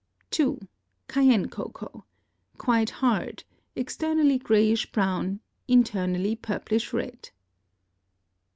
2. Cayenne Cocoa.—Quite hard, externally grayish brown, internally purplish red.